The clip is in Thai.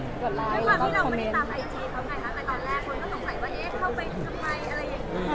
ไม่ความว่าพี่นัทไม่ได้ตามไอจีเขาไงนะแต่ตอนแรกคนก็สงสัยว่าเข้าไปสุดมายอะไรอย่างนี้